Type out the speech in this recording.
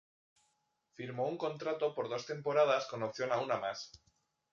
Firmó un contrato por dos temporadas con opción a una más.